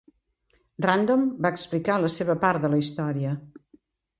Random va explicar la seva part de la història.